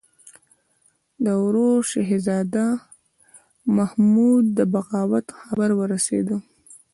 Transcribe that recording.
د ورور شهزاده محمود د بغاوت خبر ورسېدی.